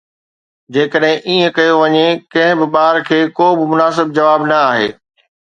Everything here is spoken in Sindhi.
جيڪڏهن ائين ڪيو وڃي، ڪنهن به ٻار کي ڪو به مناسب جواب نه آهي